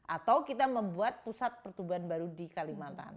atau kita membuat pusat pertumbuhan baru di kalimantan